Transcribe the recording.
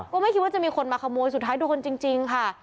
ก็ไม่คิดว่าจะมีคนมาขโมยสุดท้ายโดนจริงค่ะ